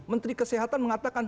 menteri kesehatan mengatakan